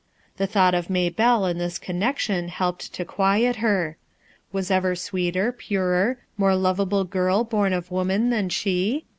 The thought of Maybelle in this connection helped to quiet her. Was ever sweeter, purer, more lovable girl born of woman than she?